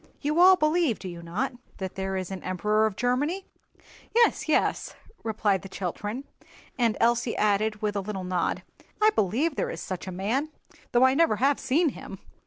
You all believe, do you not, that there is an Emperor of Germany?" "Yes, yes," replied the children: and Elsie added with a little nod, "I believe there is such a man, though I never have seen him."